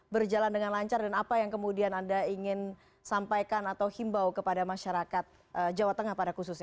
berjalan dengan lancar dan apa yang kemudian anda ingin sampaikan atau himbau kepada masyarakat jawa tengah pada khususnya